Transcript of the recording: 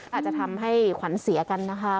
อาจจะทำให้ขวัญเสียกันนะคะ